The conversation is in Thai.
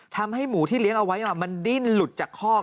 ทำให้หมูที่เลี้ยงเอาไว้มันดิ้นหลุดจากคอก